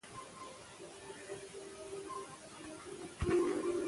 د نجونو ښوونه د ټولنې ګډون پراخوي.